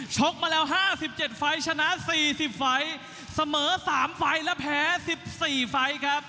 ชกมาแล้ว๕๗ไฟชนะ๔๐ไฟเสมอ๓ไฟและแพ้๑๔ไฟครับ